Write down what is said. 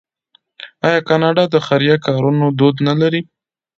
آیا کاناډا د خیریه کارونو دود نلري؟